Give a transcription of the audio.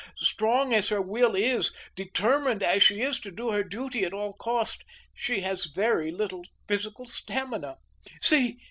Strong as her will is, determined as she is to do her duty at all cost, she has very little physical stamina. See!